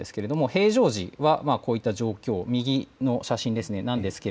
平常時はこういった状況右の写真ですね。